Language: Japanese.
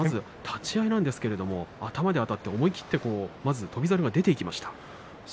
立ち合いなんですけれども頭であたってまず翔猿が出ていきました。